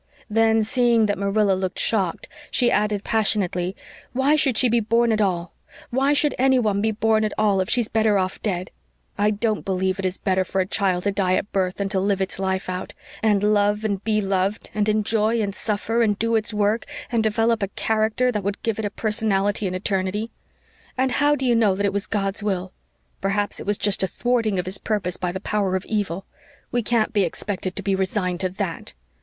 Then, seeing that Marilla looked shocked, she added passionately, "Why should she be born at all why should any one be born at all if she's better off dead? I DON'T believe it is better for a child to die at birth than to live its life out and love and be loved and enjoy and suffer and do its work and develop a character that would give it a personality in eternity. And how do you know it was God's will? Perhaps it was just a thwarting of His purpose by the Power of Evil. We can't be expected to be resigned to THAT."